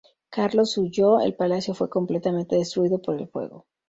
Carlos huyó; el palacio fue completamente destruido por el fuego.